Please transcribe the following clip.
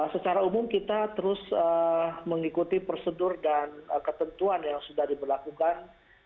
secara umum kita terus mengikuti prosedur dan ketentuan yang sudah diberlakukan